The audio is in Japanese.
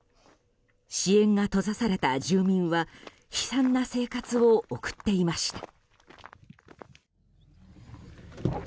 支援が閉ざされた住民は悲惨な生活を送っていました。